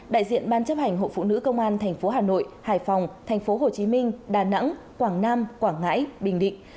đại diện ban chấp hành hộ phụ nữ công an tp hà nội hải phòng tp hồ chí minh đà nẵng quảng nam quảng ngãi bình định